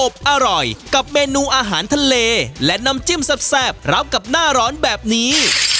อร่อยกับเมนูอาหารทะเลและน้ำจิ้มแซ่บรับกับหน้าร้อนแบบนี้